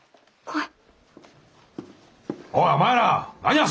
はい！